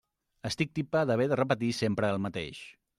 Estic tipa d'haver de repetir sempre el mateix.